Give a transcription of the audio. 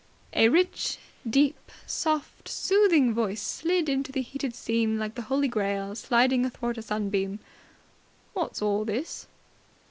A rich, deep, soft, soothing voice slid into the heated scene like the Holy Grail sliding athwart a sunbeam. "What's all this?"